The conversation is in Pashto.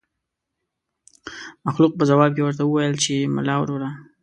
مخلوق په ځواب کې ورته وويل چې ملا وروره.